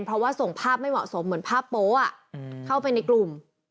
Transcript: เพราะว่าส่งภาพไม่เหมาะสมเหมือนภาพโป๊ะเข้าไปในกลุ่ม